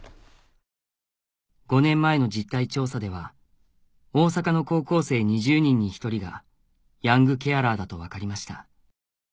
５年前の実態調査では大阪の高校生２０人に１人がヤングケアラーだと分かりました